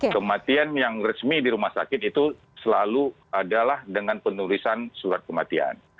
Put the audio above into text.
kematian yang resmi di rumah sakit itu selalu adalah dengan penulisan surat kematian